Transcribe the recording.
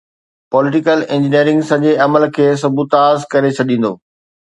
Political engineering' سڄي عمل کي سبوتاز ڪري ڇڏيندو.